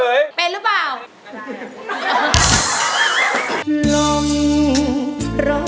เพื่อจะไปชิงรางวัลเงินล้าน